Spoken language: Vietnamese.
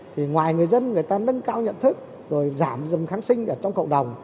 thì ngoài người dân người ta nâng cao nhận thức rồi giảm dần kháng sinh ở trong cộng đồng